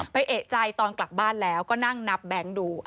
เอกใจตอนกลับบ้านแล้วก็นั่งนับแบงค์ดู